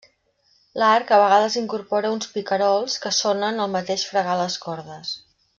L'arc, a vegades incorpora uns picarols que sonen el mateix fregar les cordes.